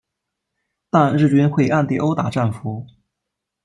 但日军会暗地殴打战俘。